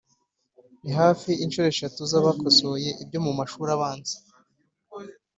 ni hafi inshuro eshatu z’abakosoye ibyo mu mashuri abanza